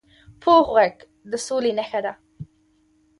پوخ غږ د سولي نښه ده